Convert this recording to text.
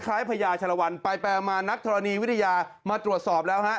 พญาชะละวันไปมานักธรณีวิทยามาตรวจสอบแล้วฮะ